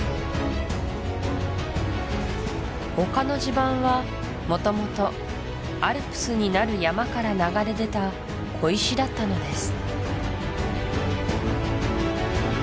丘の地盤はもともとアルプスになる山から流れ出た小石だったのです